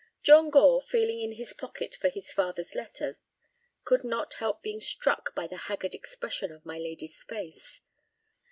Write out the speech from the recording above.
John Gore, feeling in his pocket for his father's letter, could not help being struck by the haggard expression of my lady's face.